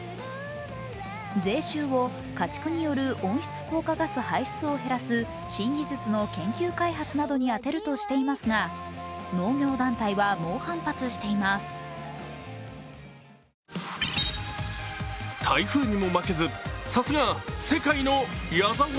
税収を家畜による温室効果ガス排出を減らす新技術の研究開発などに充てるとしていますが農業団体は猛反発しています。